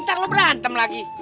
ntar lo berantem lagi